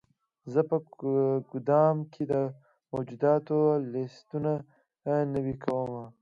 زه په ګدام کې د موجوداتو لیستونه نوي کوم.